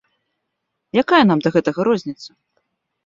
Якая нам да гэтага розніца?